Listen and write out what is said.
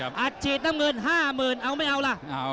อัฏฯีสต์น้ำเงินห้าหมื่นขอไม่หรอ